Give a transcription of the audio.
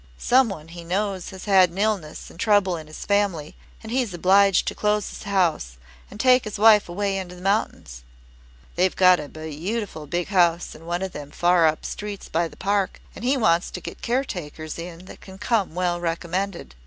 Some one he knows has had illness and trouble in his family and he's obliged to close his house and take his wife away into the mountains. They've got a beautiful big house in one of them far up streets by the Park and he wants to get caretakers in that can come well recommended.